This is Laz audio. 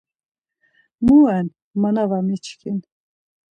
Mu ren ma na var miçkin?